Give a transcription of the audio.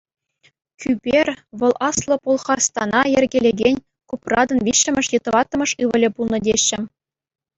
Кӳпер вӑл Аслӑ Пӑлхарстана йӗркелекен Купратӑн виҫҫӗмӗш е тӑваттӑмӗш ывӑлӗ пулнӑ, теҫҫӗ.